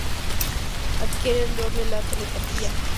Adquiere el don de la telepatía cuando ascienden sus poderes.